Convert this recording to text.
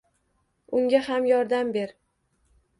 Unga ham yordam ber.